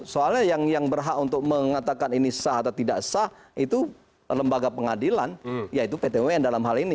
soalnya yang berhak untuk mengatakan ini sah atau tidak sah itu lembaga pengadilan yaitu pt un dalam hal ini